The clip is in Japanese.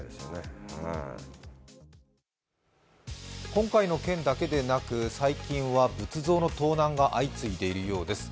今回の件だけでなく、最近は仏像の盗難が相次いでいるようです。